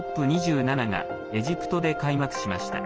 ＣＯＰ２７がエジプトで開幕しました。